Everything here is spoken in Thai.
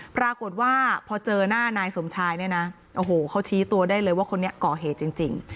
ปรากฏว่าพอเจอหน้านายสมชายเนี่ยนะโอ้โหเขาชี้ตัวได้เลยว่าคนนี้ก่อเหตุจริง